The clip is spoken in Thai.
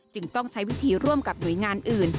จึงต้องใช้วิธีร่วมกับหน่วยงานอื่น